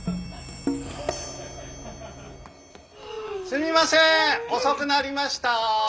すみません遅くなりました。